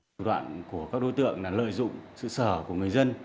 thủ đoạn của các đối tượng là lợi dụng sự sở của người dân